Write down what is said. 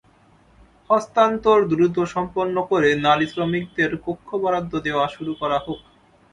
হস্তান্তর দ্রুত সম্পন্ন করে নারী শ্রমিকদের কক্ষ বরাদ্দ দেওয়া শুরু করা হোক।